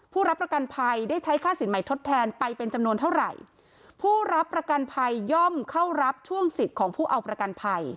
รับประกันภัยได้ใช้ค่าสินใหม่ทดแทนไปเป็นจำนวนเท่าไหร่ผู้รับประกันภัยย่อมเข้ารับช่วงสิทธิ์ของผู้เอาประกันภัย